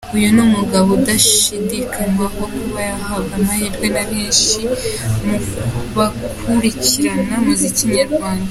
Uyu ni umugabo udashidikanywaho kuba yahabwa amahirwe na benshi mu bakurikirana muzika nyarwanda.